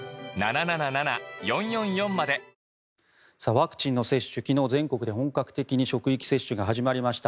ワクチンの接種昨日、全国で本格的に職域接種が始まりました。